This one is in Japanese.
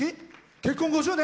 結婚５０周年。